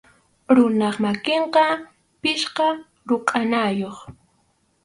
Runap makinqa pichqa rukʼanayuq.